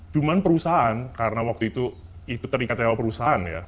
cuma perusahaan karena waktu itu terikat lewat perusahaan ya